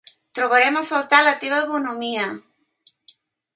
Trobarem a faltar la teva bonhomia!